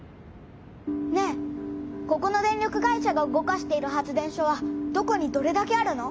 ねえここの電力会社が動かしている発電所はどこにどれだけあるの？